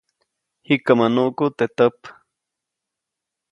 Jikäʼmä nuʼku teʼ täp.